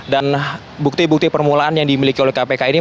dan bukti bukti permulaan yang dimiliki oleh kpk ini